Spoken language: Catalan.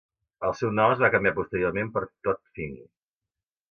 El seu nom es va canviar posteriorment per Todd Fink.